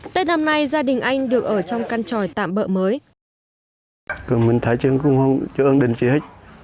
tết năm nay gia đình anh được ở trong căn tròi tạm bỡ mới